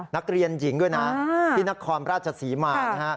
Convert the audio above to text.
นักเรียนหญิงด้วยนะที่นครราชศรีมานะฮะ